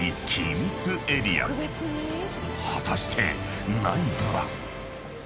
［果たして内部は］